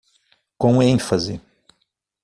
Com ênfase